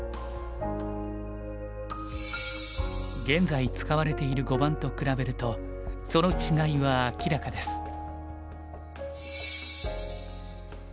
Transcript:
現在使われている碁盤と比べるとその違いは明らかです。